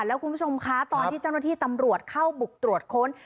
แล้วคุณผู้ชมคะตอนที่เจ้าหน้าที่ตำรวจเข้าบุกตรวจค้น